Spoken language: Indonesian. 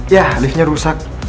yah liftnya rusak